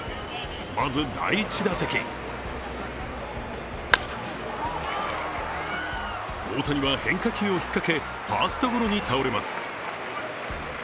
まず第１打席大谷は変化球を引っかけファーストゴロに倒れます。